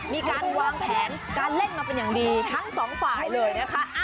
มีการวางแผนการเล่นมาเป็นอย่างดีทั้งสองฝ่ายเลยนะคะ